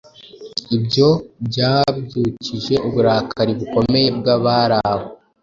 ibyo byabyukije uburakari bukomeye bw’abari aho.